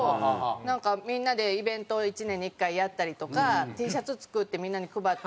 なんかみんなでイベントを１年に１回やったりとかＴシャツ作ってみんなに配ったりとか。